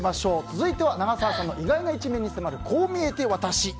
続いては長澤さんの意外な一面に迫る、こう見えてワタシ。